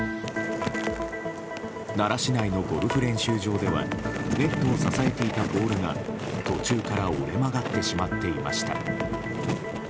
奈良市内のゴルフ練習場ではネットを支えていたポールが途中から折れ曲がってしまっていました。